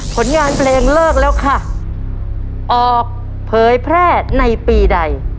ผลงานเพลงเลิกแล้วค่ะออกเผยแพร่ในปีใด